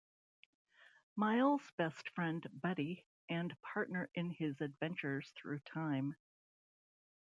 Miles' best friend, buddy, and partner in his adventures through time.